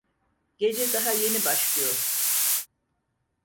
Gece daha yeni başlıyor.